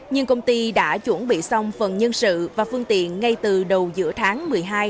nhưng công ty đã chuẩn bị xong phần nhân sự và phương tiện ngay từ đầu giữa tháng một mươi hai hai nghìn hai mươi ba